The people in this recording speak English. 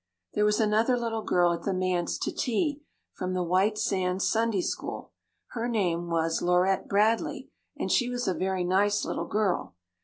There was another little girl at the manse to tea, from the White Sands Sunday school. Her name was Laurette Bradley, and she was a very nice little girl.